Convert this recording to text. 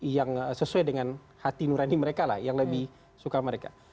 yang sesuai dengan hati nurani mereka lah yang lebih suka mereka